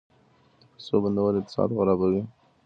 د پیسو بندول اقتصاد خرابوي.